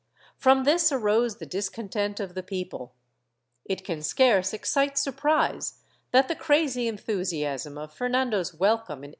From this arose the discontent of the people."^ It can scarce excite surprise that the crazy enthusiasm of Fernando's welcome in 1814 had evaporated.